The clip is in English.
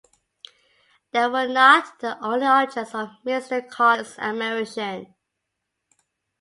They were not the only objects of Mr. Collins's admiration.